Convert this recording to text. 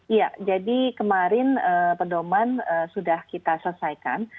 iya jadi kemarin pedoman sudah kita selesaikan